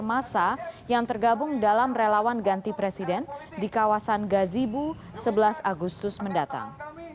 masa yang tergabung dalam relawan ganti presiden di kawasan gazibu sebelas agustus mendatang